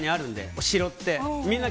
お城って。